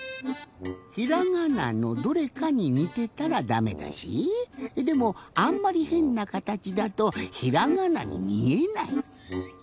ひらがなのどれかににてたらダメだしでもあんまりヘンなかたちだとひらがなにみえない。